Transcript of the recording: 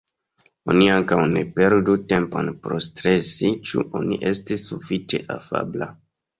Oni ankaŭ ne perdu tempon por stresi ĉu oni estis sufiĉe afabla.